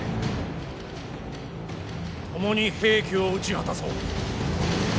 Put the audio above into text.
共に平家を討ち果たそう。